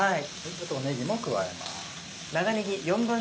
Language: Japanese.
あとはねぎも加えます。